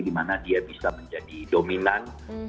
dimana dia bisa menjadi dominan